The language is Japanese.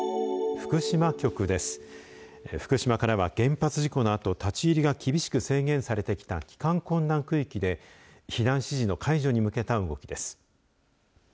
福島からは原発事故のあと立ち入りが厳しく制限されてきた帰還困難区域で避難指示の解除に向けた動きです。